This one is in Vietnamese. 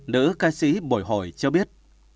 nữ ca sĩ bồi hồi cho biết